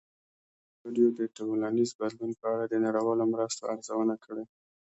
ازادي راډیو د ټولنیز بدلون په اړه د نړیوالو مرستو ارزونه کړې.